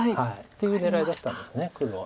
っていう狙いだったんです黒は。